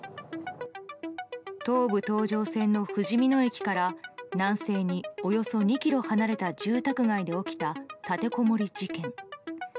東武東上線のふじみ野駅から南西におよそ２ｋｍ離れた住宅街で起きた立てこもり事件。